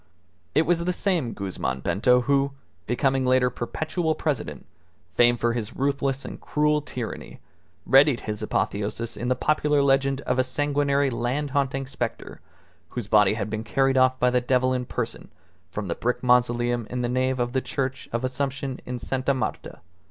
It was the same Guzman Bento who, becoming later Perpetual President, famed for his ruthless and cruel tyranny, readied his apotheosis in the popular legend of a sanguinary land haunting spectre whose body had been carried off by the devil in person from the brick mausoleum in the nave of the Church of Assumption in Sta. Marta.